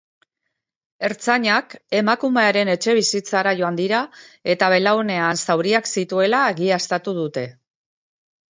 Ertzainak emakumearen etxebizitzara joan dira eta belaunean zauriak zituela egiaztatu dute.